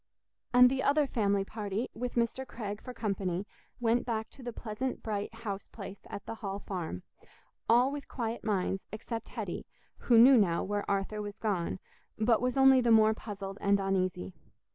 And the other family party, with Mr. Craig for company, went back to the pleasant bright house place at the Hall Farm—all with quiet minds, except Hetty, who knew now where Arthur was gone, but was only the more puzzled and uneasy.